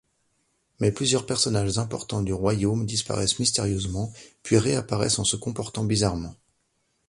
Mais plusieurs personnages importants du royaume disparaisent mystérieusement, puis réapparaissent en se comportant bizarrement.